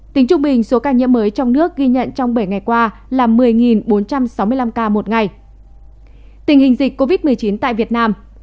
tình hình dịch covid một mươi chín tại việt nam